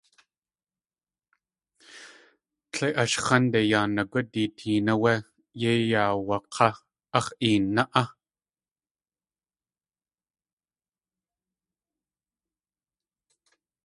Tle ash x̲ándei yaa nagúdi teen áwé yéi akaayak̲á, "Ax̲ een na.á".